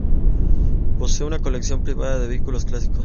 Posee una colección privada de vehículos clásicos.